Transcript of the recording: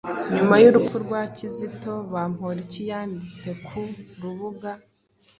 Nyuma y'urupfu rwa Kizito, Bamporiki yanditse ku rubuga